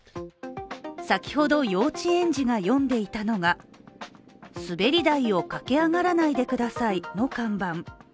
先ほど幼稚園児が呼んでいたのが「すべりだいをかけあがらないでください」の看板。